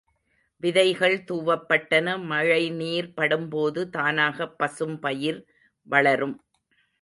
விதைகள் தூவப்பட்டன மழை நீர் படும் போது தானாகப் பசும் பயிர் வளரும்.